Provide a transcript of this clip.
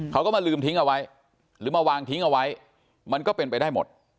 เขาก็มาลืมทิ้งเอาไว้หรือมาวางทิ้งเอาไว้มันก็เป็นไปได้หมด